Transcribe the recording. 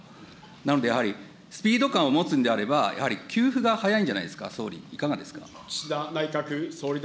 なのでやはり、スピード感を持つんであれば、やはり給付が早いんじゃないですか、総理、いかがですか。